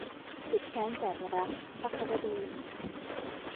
สุดแค้นแสนรัก - ภควดี